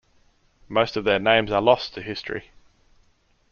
Most of their names are lost to history.